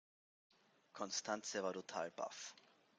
Constanze war total baff.